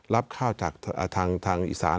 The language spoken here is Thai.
รับข้าวจากทางอีสาน